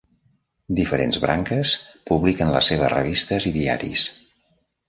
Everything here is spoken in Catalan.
Diferents branques publiquen les seves revistes i diaris.